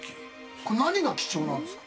これ、何が貴重なんですか。